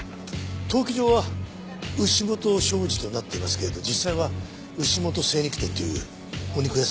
登記上は牛本商事となっていますけれど実際は牛本精肉店というお肉屋さんだったんです。